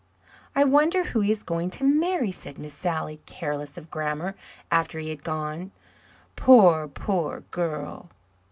"I wonder who he is going to marry," said Miss Sally, careless of grammar, after he had gone. "Poor, poor girl!"